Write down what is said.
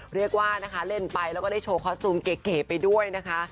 เรียกว่านะคะเล่นไปแล้วก็ได้โชว์คอสซูมเก๋ไปด้วยนะคะ